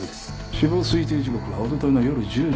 死亡推定時刻はおとといの夜１０時から１２時。